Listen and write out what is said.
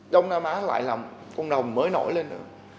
đông nam á lại là một con đồng mới nổi lên đó